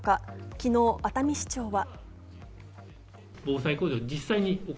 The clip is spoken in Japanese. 昨日、熱海市長は。